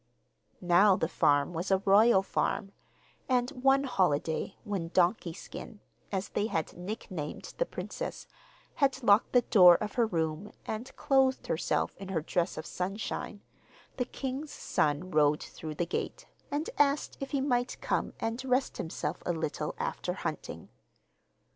Now the farm was a royal farm, and, one holiday, when 'Donkey Skin' (as they had nicknamed the princess) had locked the door of her room and clothed herself in her dress of sunshine, the king's son rode through the gate, and asked if he might come and rest himself a little after hunting.